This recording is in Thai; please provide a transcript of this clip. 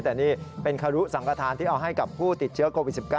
แต่นี่เป็นคารุสังขทานที่เอาให้กับผู้ติดเชื้อโควิด๑๙